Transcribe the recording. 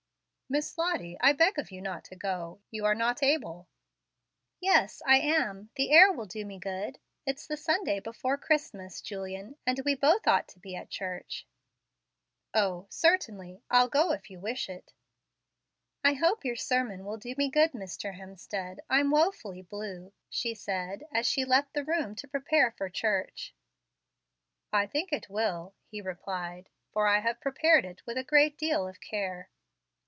"Miss Lottie, I beg of you do not go. You are not able." "Yes, I am; the air will do me good. It's the Sunday before Christmas, Julian, and we both ought to be at church." "O, certainly, I'll go if you wish it." "I hope your sermon will do me good, Mr. Hemstead. I'm wofully blue," she said, as she left the room to prepare for church. "I think it will," he replied; "for I have prepared it with a great deal of care."